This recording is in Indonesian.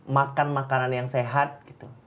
makan makanan yang sehat gitu